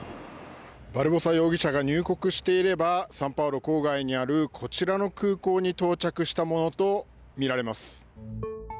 バルボサ容疑者が入国していればサンパウロ郊外にあるこちらの空港に到着したものとみられます。